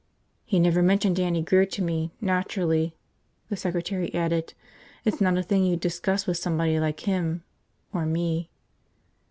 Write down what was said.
"He never mentioned Dannie Grear to me, naturally," the secretary added. "It's not a thing you'd discuss with somebody like him. Or me."